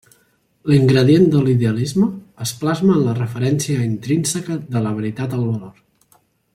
L'ingredient de l'idealisme es plasma en la referència intrínseca de la veritat al valor.